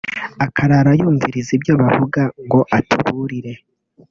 akarara yumviriza ibyo bavuga ngo atuburire